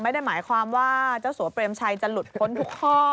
ไม่ได้หมายความว่าเจ้าสัวเปรมชัยจะหลุดพ้นทุกข้อ